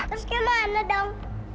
terus gimana dong